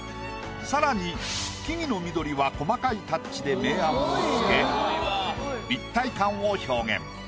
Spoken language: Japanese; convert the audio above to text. さらに木々の緑は細かいタッチで明暗をつけ立体感を表現。